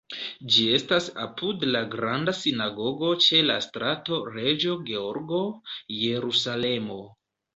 Ĝi estas apud la Granda Sinagogo ĉe la Strato Reĝo Georgo, Jerusalemo.